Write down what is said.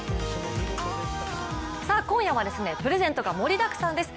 今夜はプレゼントが盛りだくさんです。